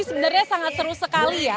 sebenarnya sangat seru sekali ya